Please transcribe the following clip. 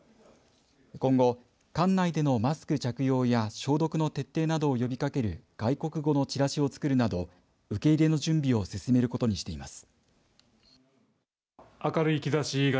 今後、館内でのマスク着用や消毒の徹底などを呼びかける外国語のチラシを作るなど受け入れの準備を進めることにしています。